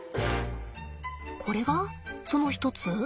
これがその一つ？